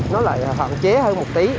nó lại hạn chế hơn một tí